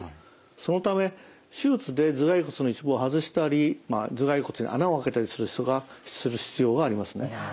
そのため手術で頭蓋骨の一部を外したり頭蓋骨に穴を開けたりする必要がありますね。